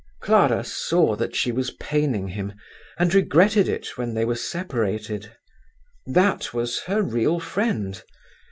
Clara saw that she was paining him and regretted it when they were separated. That was her real friend!